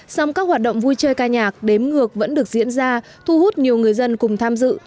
song các hoạt động vui chơi ca nhạc đếm ngược vẫn được diễn ra thu hút nhiều người dân cùng tham dự